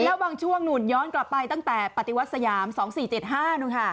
แล้วบางช่วงหนุ่นย้อนกลับไปตั้งแต่ปฏิวัติสยาม๒๔๗๕นู่นค่ะ